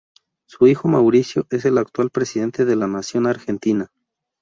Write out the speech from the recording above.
Su hijo Mauricio es el actual presidente de la Nación Argentina.